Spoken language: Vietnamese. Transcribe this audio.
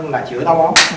là chữa táo bón